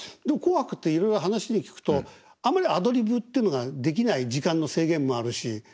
でも「紅白」っていろいろ話で聞くとあんまりアドリブっていうのができない時間の制限もあるし。